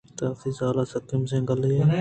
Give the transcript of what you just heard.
تووتی زال ءِسکیں مزنیں گلامے ئے